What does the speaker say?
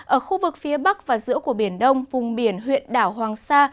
ở khu vực phía bắc và giữa của biển đông vùng biển huyện đảo hoàng sa